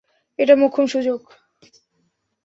এটা মোক্ষম সুযোগ।